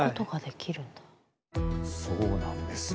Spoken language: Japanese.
そうなんですよ。